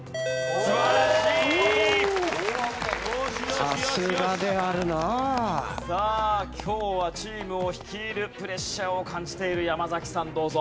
さすがであるな！さあ今日はチームを率いるプレッシャーを感じている山崎さんどうぞ。